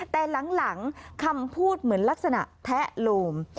แต่หลังคำพูดเหมือนลักษณะแทะโลม